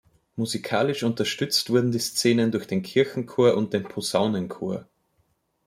Musikalisch unterstützt wurden die Szenen durch den Kirchenchor und den Posaunenchor.